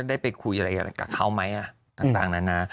ได้ไปคุยอะไรกับเขาไหมต่างนานา